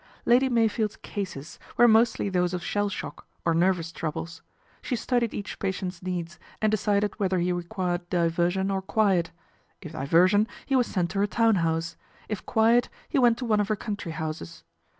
Lady Meyfield's " cases " were mostly those of shell shock, or nervous troubles. She studied each patient's needs, and decided whether he required diversion or quiet : if diversion, he was sent to her town house ; if quiet, he went to one of her country houses.